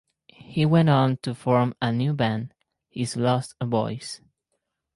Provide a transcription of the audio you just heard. He went on to form a new band, His Lost Boys.